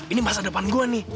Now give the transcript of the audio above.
ini masa depan gue nih